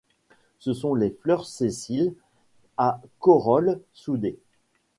Ce sont des fleurs sessiles, à corolle soudée.